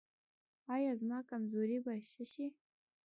ایا زما کمزوري به ښه شي؟